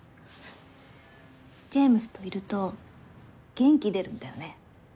ジェームスといると元気出るんだよね。